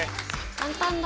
簡単だ。